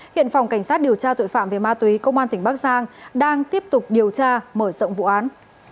hiện phòng cảnh sát điều tra tội phạm về ma túy công an tỉnh bắc giang đang tiếp tục điều tra mở rộng vụ án